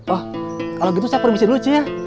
oh kalo gitu saya permisi dulu ce